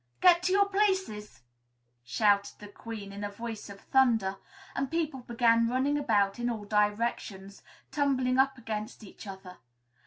"Get to your places!" shouted the Queen in a voice of thunder, and people began running about in all directions, tumbling up against each other.